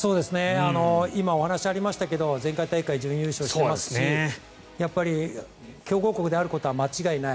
今お話ありましたけど前回大会、準優勝していますしやっぱり強豪国であることは間違いない。